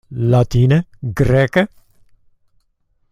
Latine? Greke?